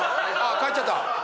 帰っちゃった！